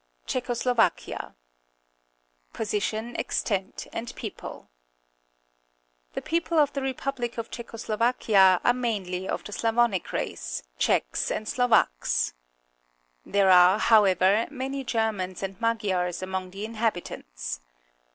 CZECHO SLOVAKIA Position, Extent, and People. — The people of the republic of Czechoslovakia are mainly of the Slavonic race — Czechs and Slovaks. There are, however, many Germans and Magj^ars among the inhabitants.